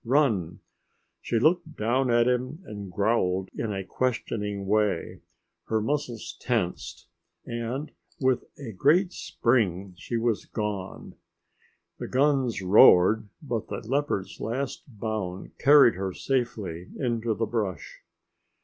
Run!" She looked down at him and growled in a questioning way. Her muscles tensed, and, with a great spring, she was gone. The guns roared, but the leopard's last bound carried her safely into the brush.